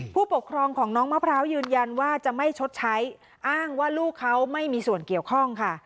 ผู้ปกครองของน้องมะพร้าวยืนยันว่าจะไม่ชดใช้อ้างว่าลูกเขาไม่มีส่วนเกี่ยวข้องค่ะ